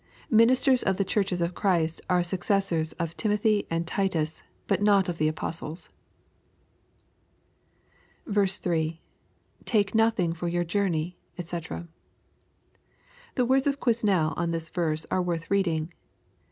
Ministers of fiie churches of Christ are successors of Timothy and Titus, but not of the apostles. 3. — [5^1^ nothing for your jov/mey^ die] The words of Quesnel on this verse are worth reading.